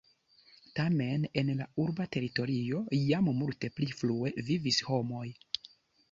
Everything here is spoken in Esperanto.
Tamen en la urba teritorio jam multe pli frue vivis homoj.